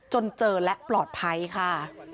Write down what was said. จนเจอและปลอดภัยค่ะ